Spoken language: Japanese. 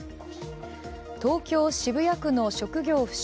東京・渋谷区の職業不詳